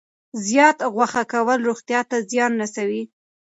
زیات غوښه کول روغتیا ته زیان رسوي.